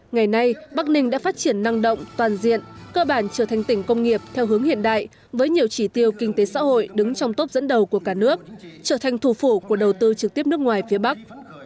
ngày nay bắc ninh đã phát triển năng động toàn diện cơ bản trở thành tỉnh công nghiệp theo hướng hiện đại với nhiều chỉ tiêu kinh tế xã hội đứng trong tốp dẫn đầu của cả nước trở thành thủ phủ của đầu tư trực tiếp nước ngoài phía bắc